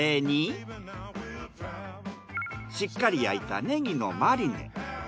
しっかり焼いたねぎのマリネ。